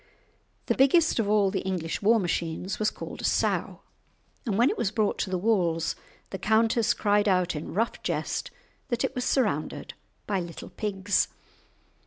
The biggest of all the English war machines was called a sow, and when it was brought to the walls the countess cried out in rough jest that it was surrounded by little pigs.